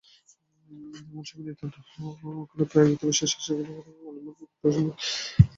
এমন সময় নিতান্ত অকালে প্রায় বৃদ্ধবয়সে শশিকলার পিতা কালীপ্রসন্নের একটি পুত্রসন্তান জন্মিল।